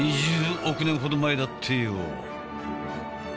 ２０億年ほど前だってよ。